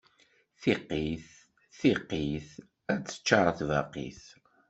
Tiqqit, tiqqit, ad teččaṛ tbaqit.